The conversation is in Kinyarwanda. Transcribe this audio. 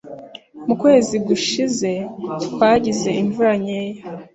Mu kwezi gushize twagize imvura nkeya.